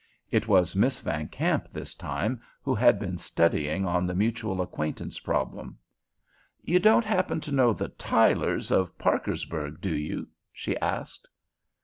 It was Miss Van Kamp, this time, who had been studying on the mutual acquaintance problem. "You don't happen to know the Tylers, of Parkersburg, do you?" she asked.